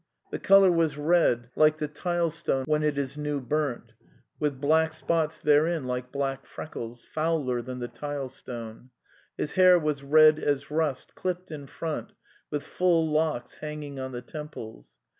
The colour was red like the tile stone when it is new burnt, with black spots therein like black freckles — fouler than the tilestone. His hair was red as rust, clipped in front, with full locks hanging on the temples.